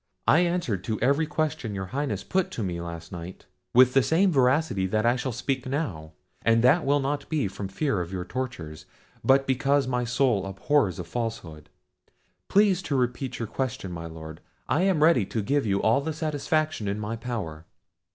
I answered to every question your Highness put to me last night with the same veracity that I shall speak now: and that will not be from fear of your tortures, but because my soul abhors a falsehood. Please to repeat your questions, my Lord; I am ready to give you all the satisfaction in my power."